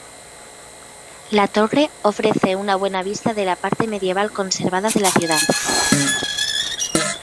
La torre ofrece una buena vista de la parte medieval conservada de la ciudad.